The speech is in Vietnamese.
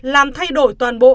làm thay đổi toàn bộ